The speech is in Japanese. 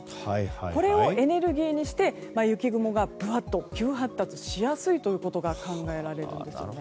これをエネルギーにして雪雲がぶわっと急発達しやすいということが考えられるんですよね。